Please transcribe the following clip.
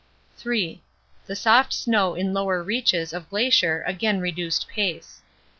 3. The soft snow in lower reaches of glacier again reduced pace.